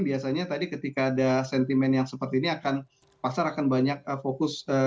biasanya tadi ketika ada sentimen yang seperti ini akan pasar akan banyak fokus